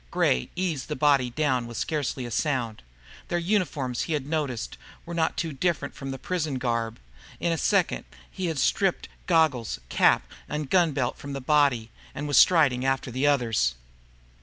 Gray eased the body down with scarcely a sound. Their uniforms, he had noticed, were not too different from his prison garb. In a second he had stripped goggles, cap, and gun belt from the body, and was striding after the others.